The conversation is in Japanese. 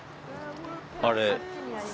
あれ。